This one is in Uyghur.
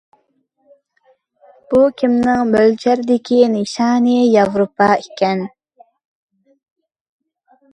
بۇ كېمىنىڭ مۆلچەردىكى نىشانى ياۋروپا ئىكەن.